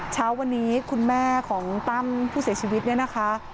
เช้าวันนี้คุณแม่ของตั้มผู้เสียชีวิตเนี่ยนะคะ